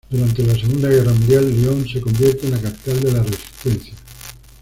Durante la segunda guerra mundial, Lyon se convierte en la capital de la Resistencia.